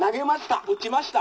「打ちました」。